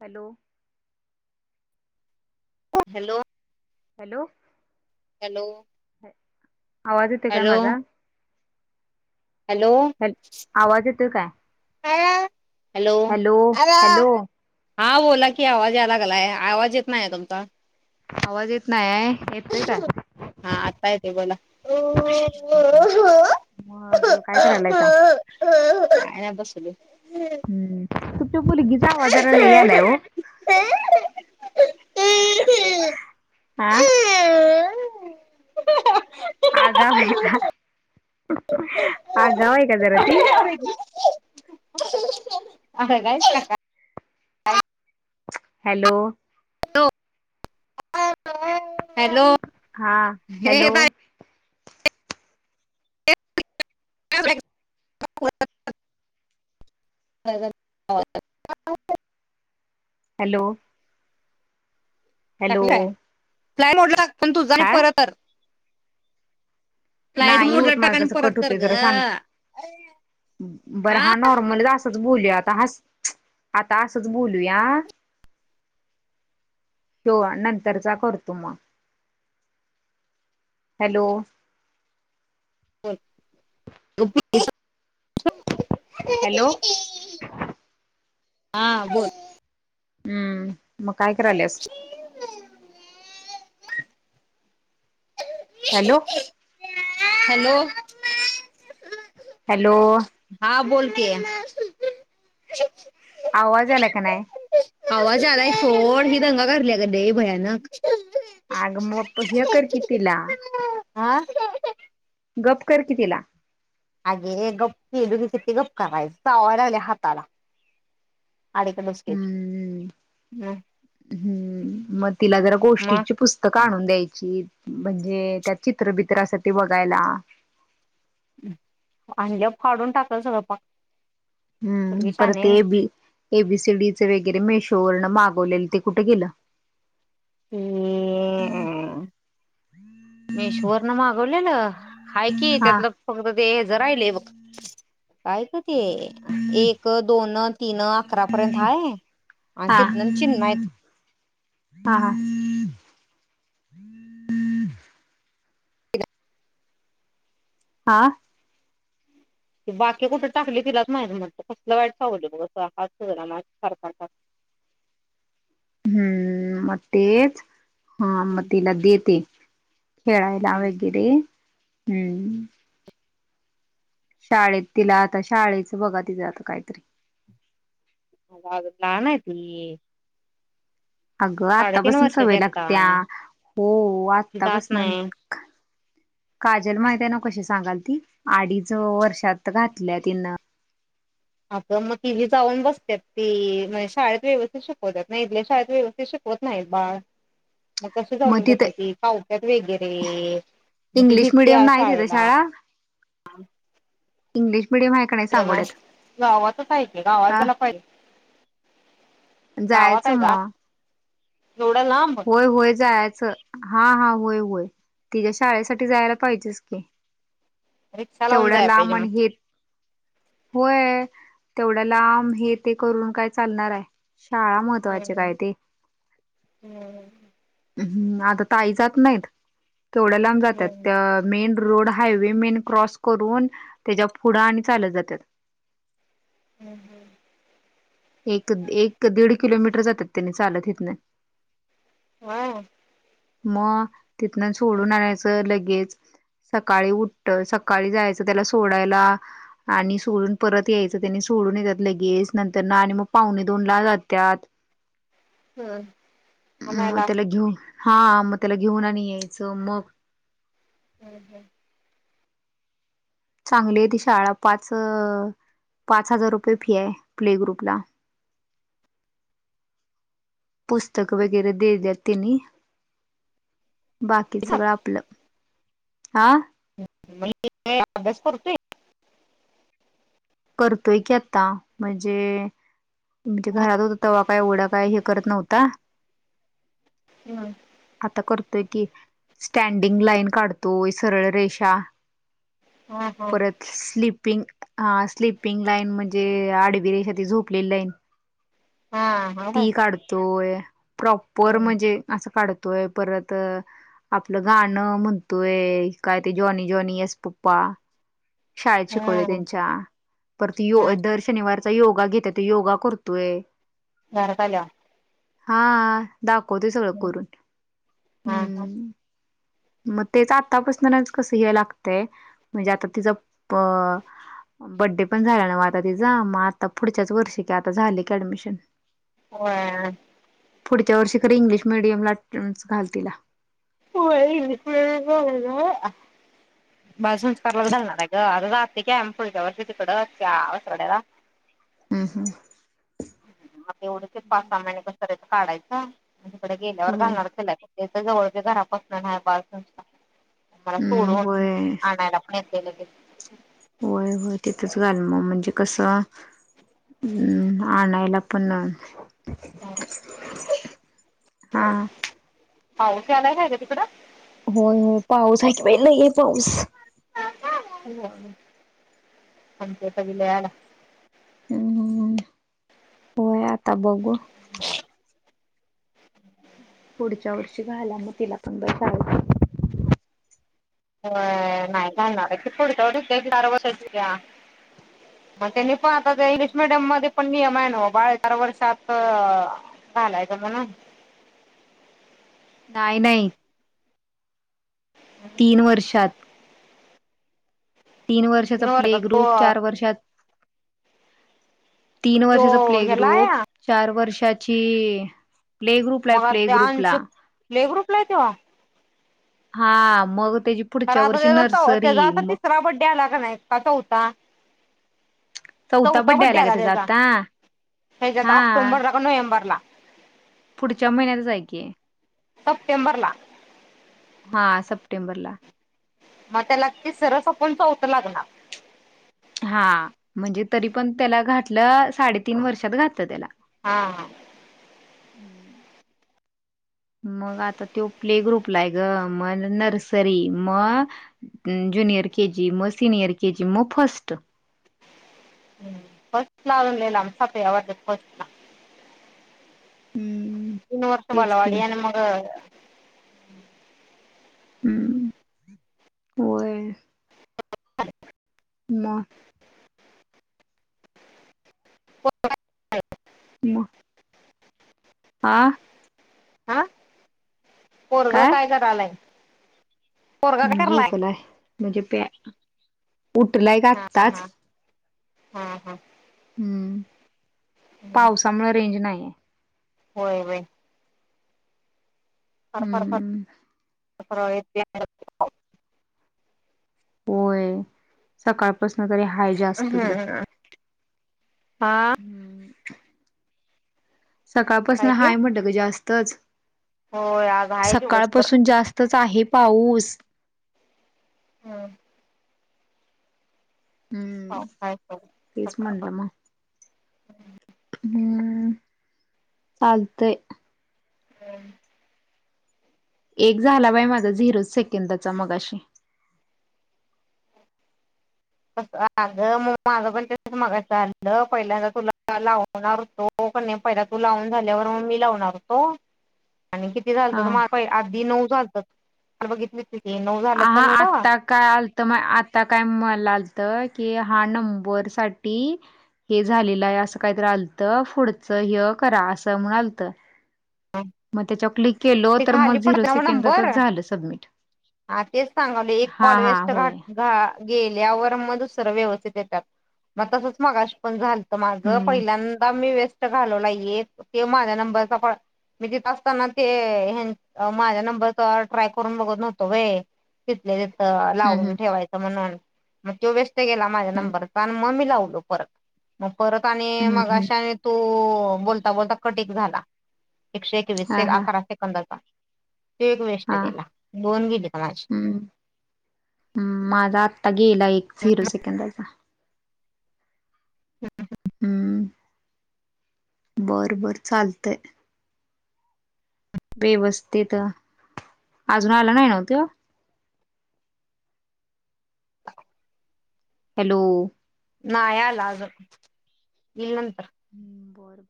Hello hello hello hello आवाज येतोय का हॅलो माझा हॅलो हॅ आवाज येतोय काय? अ हॅलो हॅलो आरा हॅलो हा बोला की आवाज यायलागलाय आवाज येत नाही आहे तुमचा आवाज येत नाही आहेय येतय काय? हा आत्ता येतोय बोला. हो हो मग काय करायलायसा. काय नाय बसलोय. हम् तुमच्या मुलगीचा आवाज जरा लई आलाय हो. आह आगाव आहे का, आगाव आहे का जरा ती [unintelligible] [unintelligible] हॅलो हॅलो हा हे हॅलो [unintelligible] हॅलो. हॅलो टाकलाय, फ्लाय मोडला जाय आणि काय परत कर. फ्लाईट नाही होत मोडला टाक माझं आणि तसं कट परत कर होतोय ग जरा शांत ह. नॉर्मल असंच बोलूया, आता हाच आता असंच बोलू या. ठेवा नंतरचा करतो मग. हॅलो. हॅलो [unintelligible] हा बोल. हम्म मग काय करायल्यास? हम् [unintelligible] हॅलो. हॅलो. हॅलो. हा बोल की आवाज यालाय का नाही? आवाज यालाय सो, ही दंगा करालीया ग लई भयानक आग मग प हे कर की तिला हा. गप कर कि तीला अगे गप्प केलो की, कीती गप करायच? चावाय लागली हाताला आलिकडच हम्म हम्म मग तिला जरा गोष्टीची मग पुस्त क आणून द्यायची, म्हणजे त्यात चित्रबित्र असत्यात बघायला. आणल्यावर फाडून टाकल सगळपाक. हम्म परत ते ए बी एबीसीडीच वगैरे मेशो वरन मागवलेलं ते कुठे गेलं? ह मेशोवर न मागवलेलं. हाय कि, हा त्यातलं फक्त ते हेज राहिलय बघ. काय ग! ते एक दोन तीन अकरा पर्यंत हाय आणि तिथनं चिन्ह हाय. हा हा. हा. क बाकी कुठ टाकली तिलाच माहिती, म्हणत कसलं वाईट चावलं बघ, हात फुगला सार सार हम्म म तेच हा म हम्म तीला दे ते. खेळायला हम्म वगेरे हुं. शाळेत तिला, आता शाळेच बघा तिज आता काहीतरी आग अजून लहान हाय ती. अगं साडेतीन आतापासनच सवय वर्षाची आता लागत्या, हो ती जात आतापासन नाही काजल माहिती हाय न्हव कशी सांगाल ती, अडीच वर्षात घातल्या तिन आग मग तिही जाऊन बसत्यात ती, शाळेत व्यवस्थित शिकवत्यात नाई, इथल्या शाळेत व्यवस्थित शिकव वत नाहीत बाळ. [inaudible] मग कसे जाऊन बसल ती? कावत्यात वगैरे मग ती इंग्लिश भीती मिडियम या नाही तिथं शाळेला शाळा इंग्लिश मिडयम. गावातच हाय की, गावाय हा कशाला पाहिेजे. जायचं म. एवढ्या लांब. व्हय व्हय जायाचं, हा हा व्हय व्हय तिच्या् शाळेसाठी जायला पाहिजेच की रिक्षा लावून तेवढ्या जायला लांब पाहिजे आनी मग हेे त. होय, तेवढ्या लांब हे, ते करून काय चालणार हाय? शाळा व्हय महत्त्वाची काय ते व्हय. हम्म आता ताई जात नाहीत, तेवढ्या लांब जातात हम्म त्या. Main road highway main cross करून त्याच्या पुढं आणि चालत जातात. हम् हम्. एक एक दीड किलोमीटर जातात त्यानी चालत हितंन. वय. म तिथनं सोडून आणायचं लगेच. सकाळी उठ सकाळी जायचं त्याला सोडायला. आणि सोडून परत यायचं त्यांनी सोडून येतात लगेज नंतर तेना आणि मग पाहुणे दोन ला जात्यात. मग आणायला त्याला घेऊन हा मग त्याला घेऊन आणि यायचं मग हम् हम. चांगली आहे ती शाळा पाच पाच हजार रुपये फी आहे प्ले ग्रुपला. [inaudible] पुस्तक वगैरे देत्यात त्यांनी. बाकी सगळं आपलं, हा. [unintelligible] अभ्यास करतोय. करतोय की आता म्हणजे, म्हणजे घरात हो तवा काय एवढं काय हे करत नव्हता. हम्. आता करतोय की स्टँडिंग लाईन काढतोय सरळ रेषा. हा हा. स्लीपिंग आ स्लीपिंग लाईन म्हणजे आडविरेशा झोपलेली लाईन, हा हा होय ती काढ तोय प्रॉपर हम्म म्हणजे असं काढतोय परत आपलं गाणं म्हणतोय काय ते जॉनी जॉनी येस पप्पा. शाळेत शिकवलय हम्म त्यांच्या. परत यो हा दर शनिवारचा योगा घेतात योगा करतोय. घरात आल्या. हा दाखवतय सगळं करून, हा हा हम्म. मग तेचं आतापासूनच कसं हे लागतय म्हणजे आता तिज अ बड्डे पण झाले नाव आता तिजा मग आता पुढच्याच वर्षी की आता झाले की ऍडमिशन. वय. पुढच्या वर्षी खरी इंग्लिश मिडियम ला स घाल तीला. होय इंग्लिश मीडियम ला घालायचाय. बाजूनच करायला जालणार हाय ग आता जाते की आम्ही पुढच्या वर्षी तिकडं त्या [unintelligible] [inaudible] हम्म आता एवढं ते पाच सहा महिने कसं [unintelligible] काढायचं. माझकडे गेल्यावर होय घालणार [unintelligible] घरापासन बा मला हम्म सोडून, होय आणायला पण येतय लगेच. होय होय तिथच घाल मग म्हणजे कसं हम् आणयला पण हा पाऊस यालाय काय ग तिकड. होय होय पाऊस हाय की बाई लई हाय पाऊस. [unintelligible] हम्म, होय आता बघू. [inaudible] पुढच्या वर्षी घाला मग तिला पण ब [unintelligible] होय नाही [unintelligible] मग त्यांनी पण आता इंग्लिश मिडियम मध्ये पण नियम आहे नव बाळ चार वर्षात चालायचं म्हणून. नाही नाही. [unintelligible] तीन वर्षात तीन वर्ष संपले वर्षात तो ग्रुप चार वर्षात तीन वर्ष तो संपले ह्याला ग्रुप आहे चार वर्षाची अ प्ले ग्रुप ला आहे मग प्ले ते ग्रुपला. अंशु प्ले ग्रुपला हाय त्यो? हा, मग तेजी कारण, आता त्याचा-चौ- त्याचा आता तिसरा बड्डे आला क नाय का चोथा? चौथा बड्डे आला, त्याचा ह हेच्याता हा ऑक्टोंबर ला का नोव्हेंबर ला. पुढच्या महिन्यातचं हाय, की. सप्टेंबर ला हा सप्टेंबर ला. म त्याला, की तिसरं सपून चौथ लागणार? हा म्हणजे, तरी पण त्याला घातलं साडेतीन वर्षात घातलं त्याला. हा हा. हम्म मग आता तो प्ले ग्रुपला आहे, गं मग नर्सरी म अ जुनियर के जी म सिनियर के जी म फ़र्स्ट. फस्ट ला अजून लय लांब, सातव्या वर्षात फस्ट ला. हम्म! तीन वर्ष तेच की बालवाडी आणि मग हम म होय. म म आ हा पोरगं काय करालय? झोपलाय म्हणजे, प्या -उठलाय ग हा आत्ताचं. हा हा हा. पावसामुळं रेंज नाही हाय. व्हय व्हय. फारफार हम्म सरळ येतयं, आणि जातयं. हम सकाळ पसून तरी हाय हम जास्तच बाई ह हा सकाळ काय पसनं ते हाय म्हटलं, गं जास्तच. होय आज आहे सकाळ दिवसभर पासून जास्तचं आहे, पाऊस. हम. हम्म! पाऊस आहे तेच म्हणलं सकाळपासून म हम म चालतयं. [inaudible] एक झाला, बाई माझा झिरोचं सेकंदाचा मघाशी. आगं मग म-माझं पण तेच मागाशी झालंतं पहिल्यांदा तुला लाव लावणार होतो, पहिला तू लावून झाल्यावर, म मी लावणार होतो आणि कि किती हा झालततं, आधी नऊ झालततं [unintelligible] बघितली. हा आ आत्ता क काय आलतं म आता काय मला आलतं, की हा नंबर साठी हे झालेलं आहे, असं काही तरी आलतं पुढचं हे करा असं म्हण आलत. म त्याच्याव क्लिक केलो, ते तर खाली मग झिरो पडतं ना सेकंदाचचं नंबर झालं सबमिट. हा तेच सांगालोय, एक हा कॉल हा वेस्ट होय घात गा गेल्यावर म दुसरं व्यवस्थित येतात, म तसचं मगाशी पण झालं झालतं माझं हम्म पहिल्यांदा मी वेस्ट घालवलाय, एक ते माझ्या नंबरचा काँ मी तिथं असताना ते हे माझ्या नंबरचा ट्राय करून बघत नव्हतो वय तिथल्या तिथं लावून हम्म ठेवायचं म्हणून म तो वेस्ट गेला माझा हम्म नंबर आण म मी लावलो परत मग परत आणि हम्म हम्म मगाशी आणि तो अं बोलता बोलता कट एक झाला. एकशे एकवीस हा एक, हा अकरा शेकंदाचा तो एक वेस्ट हा गेला दोन गेलीत माझी हम् माझा आत्ता गेला एक झिरो सेकंदाचा हम्म बरं बर चालतय बे वस्तीेत अजून आला नाही नव्ह त्यो हॅलो नाही आला अजून इल नंतर बर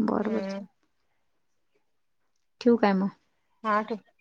बरोबरच हम्म ठिवू काय म हा ठेव